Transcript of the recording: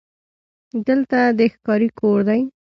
دلته د ښکاري کور دی: